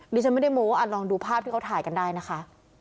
ดิฉันไม่ได้โม้ลองดูภาพที่เขาถ่ายกันได้นะคะ